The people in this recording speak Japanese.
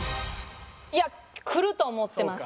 いやくると思ってます。